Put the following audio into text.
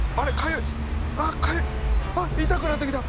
痛くなってきた！